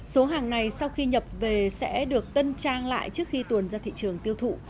số hàng này sau khi nhập về sẽ được tân trang lại trước khi tuồn ra thị trường tiêu thụ